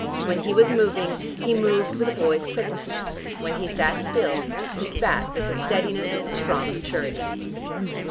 When he was moving, he moved with a boy's quickness; when he sat still he sat with the steadiness of strong maturity.